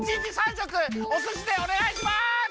しょくおすしでおねがいします！